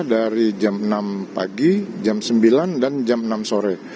dari jam enam pagi jam sembilan dan jam enam sore